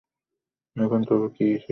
এখন তবে কি সেইখানেই থাকা হইবে?